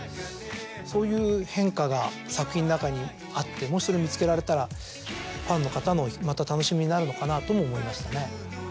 そういう変化が作品の中にあってもしそれを見つけられたらファンの方のまた楽しみになるのかなとも思いましたね。